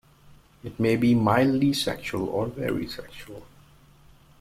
It may be mildly sexual, or very sexual.